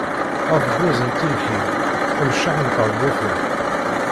Adebbuz n telkin, ameccaḥ n teṛbutin.